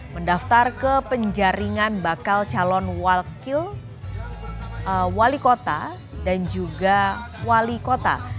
mendaftar ke penjaringan bakal calon wakil wali kota dan juga wali kota